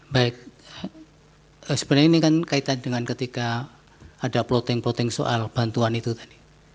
baik sebenarnya ini kan kaitan dengan ketika ada plothing ploating soal bantuan itu tadi